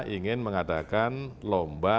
ingin mengadakan lomba